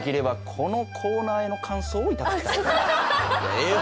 ええよ。